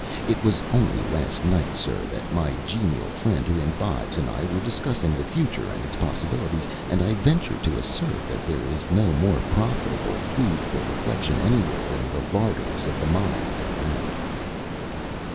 It was only last night, sir, that my genial friend who imbibes and I were discussing the future and its possibilities, and I venture to assert that there is no more profitable food for reflection anywhere in the larders of the mind than that."